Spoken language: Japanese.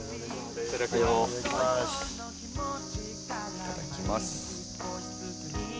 いただきます。